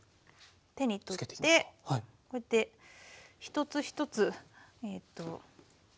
手に取ってこうやって一つ一つ順番に。